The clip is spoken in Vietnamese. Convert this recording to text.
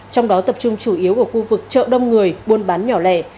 trong đó tập trung chủ yếu ở khu vực chợ đông người buôn bán nhỏ lẻ